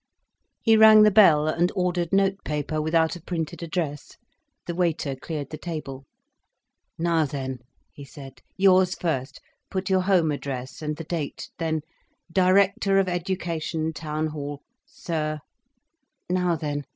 He rang the bell, and ordered note paper without a printed address. The waiter cleared the table. "Now then," he said, "yours first. Put your home address, and the date—then 'Director of Education, Town Hall—Sir—' Now then!